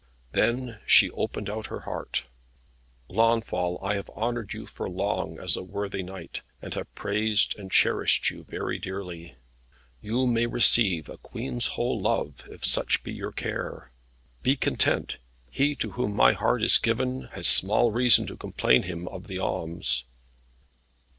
Then she opened out her heart. "Launfal, I have honoured you for long as a worthy knight, and have praised and cherished you very dearly. You may receive a queen's whole love, if such be your care. Be content: he to whom my heart is given, has small reason to complain him of the alms."